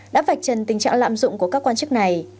đã vạch trần tình trạng lạm dụng của các quan chức này